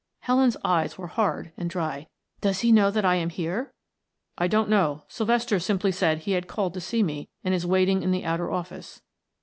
Helen's eyes were hard and dry. "Does he know that I am here?" "I don't know; Sylvester simply said he had called to see me and is waiting in the outer office."